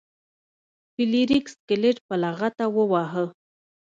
فلیریک سکلیټ په لغته وواهه.